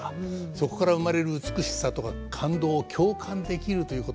そこから生まれる美しさとか感動を共感できるということなんでしょう。